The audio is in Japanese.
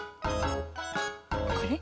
これ？